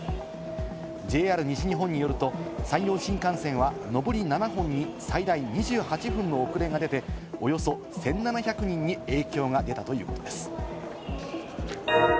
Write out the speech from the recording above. ＪＲ西日本によりますと、山陽新幹線は、のぼり７本に最大２８分の遅れが出て、およそ１７００人に影響が出たということです。